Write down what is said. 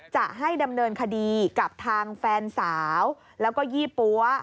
จะให้ดำเนินคดีกับทางแฟนสาวแล้วก็ยี่ปั๊ว